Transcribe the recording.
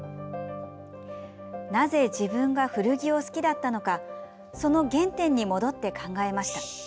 なぜ自分が古着を好きだったのかその原点に戻って考えました。